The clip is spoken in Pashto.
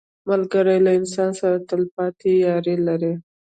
ملګری له انسان سره تل پاتې یاري لري